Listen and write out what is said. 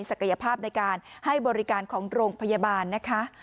ภาพในการให้บริการของโรงพยาบาลนะคะ